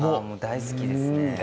大好きですね。